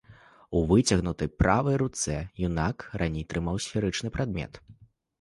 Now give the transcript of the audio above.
У выцягнутай правай руцэ юнак раней трымаў сферычны прадмет.